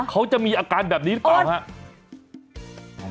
เขาจะมีอาการแบบนี้หรือเปล่าครับ